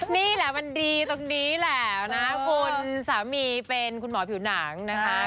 นี่แหละมันดีตรงนี้แหละนะคุณสามีเป็นคุณหมอผิวหนังนะคะ